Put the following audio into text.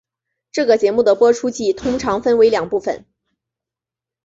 这个节目的播出季通常分为两部份。